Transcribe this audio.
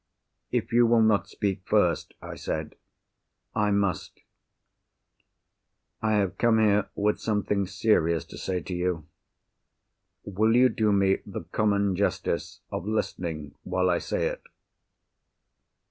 "If you will not speak first," I said, "I must. I have come here with something serious to say to you. Will you do me the common justice of listening while I say it?"